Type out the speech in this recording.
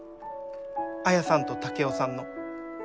綾さんと竹雄さんの。